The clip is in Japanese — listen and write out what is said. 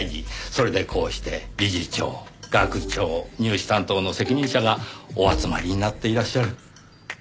それでこうして理事長学長入試担当の責任者がお集まりになっていらっしゃる。